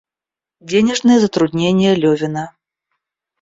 Денежные затруднения Левина.